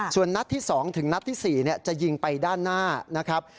ส่วนนัดที่๒ถึงนัดที่๔จะยิงไปด้านหน้านะครับ